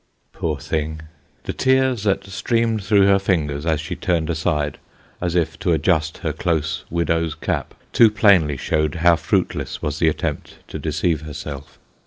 Poor thing ! The tears that streamed through her fingers, as she turned aside, as if to adjust her close widow's cap, too plainly showed how fruitless was the attempt to deceive herself.